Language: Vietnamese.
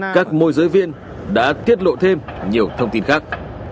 các môi giới viên đã tiết lộ thêm nhiều thông tin khác